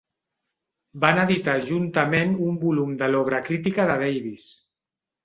Van editar juntament un volum de l'obra crítica de Davies.